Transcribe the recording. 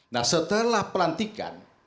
nah setelah pelantikan